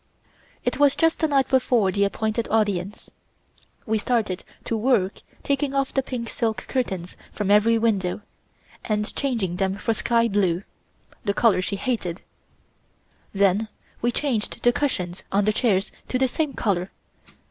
It was just the night before the appointed audience. We started to work taking off the pink silk curtains from every window, and changing them for sky blue (the color she hated); then we changed the cushions on the chairs to the same color.